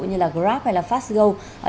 như là grab hay là fast go